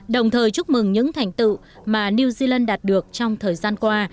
đồng thời chúc mừng những thành tựu mà new zealand đạt được trong thời gian qua